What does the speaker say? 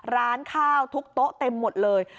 ร้านข้าวทุกโต๊ะเต็มหมดเลย